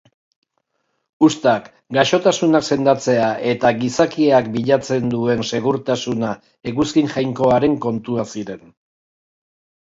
Uztak, gaixotasunak sendatzea eta gizakiak bilatzen duen segurtasuna eguzki jainkoaren kontua ziren.